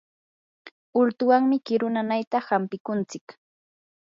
ultuwanmi kiru nanayta hampikuntsik.